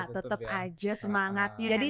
tetep aja semangatnya